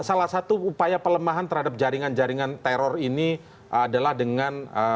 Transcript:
salah satu upaya pelemahan terhadap jaringan jaringan teror ini adalah dengan